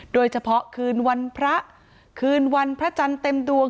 โดยเฉพาะคืนวันพระคืนวันพระจันทร์เต็มดวง